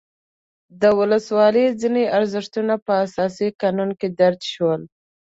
د ولسواکۍ ځینې ارزښتونه په اساسي قانون کې درج شول.